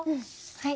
はい。